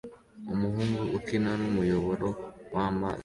Umuhungu akina numuyoboro wamazi